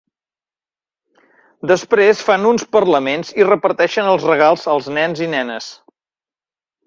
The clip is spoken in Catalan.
Després fan uns parlaments i reparteixen els regals als nens i nenes.